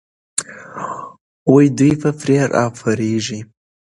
دوی به پرې راپارېږي.